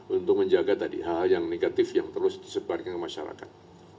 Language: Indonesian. untuk menjaga tadi hal hal yang negatif yang terus disebarkan ke masyarakat